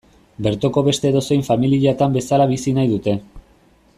Bertoko beste edozein familiatan bezala bizi nahi dute.